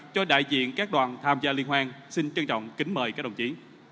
cho đại diện các đoàn tham gia liên hoan xin trân trọng kính mời các đồng chí